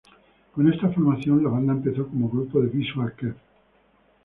Con esta formación, la banda empezó como grupo de Visual Kei.